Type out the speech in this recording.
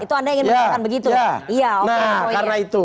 itu anda ingin mengatakan begitu